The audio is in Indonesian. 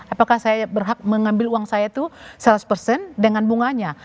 apakah saya berhak mengambil uang saya itu seratus persen dengan bunganya